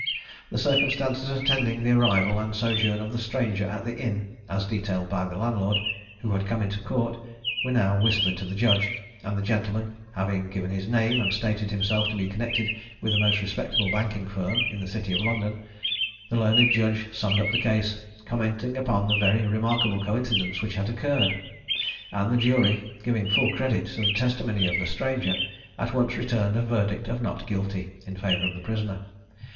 The circumstances attending the arrival and sojourn of the stranger at the inn, as detailed by the landlord, who had come into court, were now whispered to the judge; and the gentleman having given his name, and stated himself to be connected with a most respectable banking firm in the city of London, the learned judge summed up the case, commenting upon the very remarkable coincidence which had occurred; and the jury, giving full credit to the testimony of the stranger, at once returned a verdict of not guilty in favour of the prisoner.